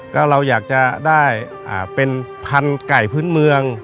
ก็เราอยากจะได้เป็นพันธุ์ไก่พื้นเมือง